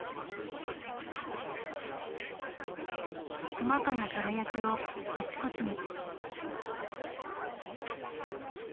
細かな輝きをあちこちに。